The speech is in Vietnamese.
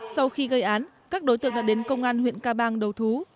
sau khi gây án các đối tượng đã đến công an huyện ca bang đầu thú